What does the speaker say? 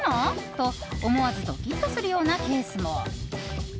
と思わずドキッとするようなケースも。